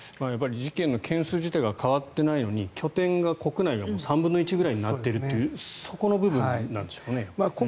事件の件数自体が変わってないのに拠点が国内がもう３分の１ぐらいになっているというそこの部分なんでしょうかねやっぱりね。